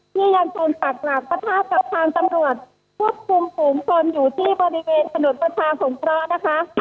ยังชนปากหลักประทะกับทางตำรวจควบคุมฝูงชนอยู่ที่บริเวณถนนประชาสงเคราะห์นะคะ